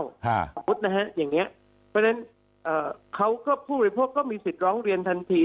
เพราะฉะนั้นอย่างนี้เพราะฉะนั้นเขาก็ผู้บริโภคก็มีสิทธิ์ร้องเรียนทันที